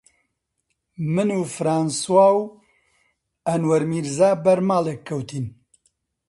من و فڕانسوا و ئەنوەر میرزا بەر ماڵێک کەوتین